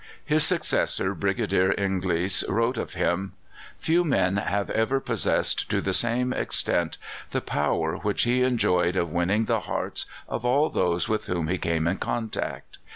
His successor, Brigadier Inglis, wrote of him: "Few men have ever possessed to the same extent the power which he enjoyed of winning the hearts of all those with whom he came in contact."